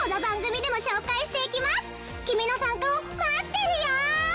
君の参加を待ってるよ！